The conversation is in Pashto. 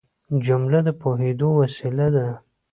جمله د پوهېدو وسیله ده.